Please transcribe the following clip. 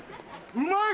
うまい！